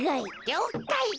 りょうかい。